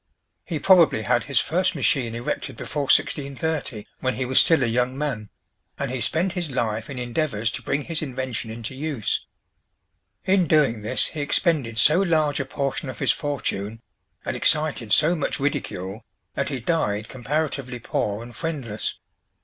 He probably had his first machine erected before 1630, when he was still a young man, and he spent his life in endeavors to bring his invention into use. In doing this he expended so large a portion of his fortune, and excited so much ridicule, that he died comparatively poor and friendless.